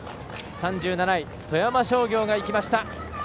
３７位、富山商業がいきました。